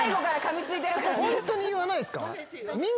みんなホントに言わないですか？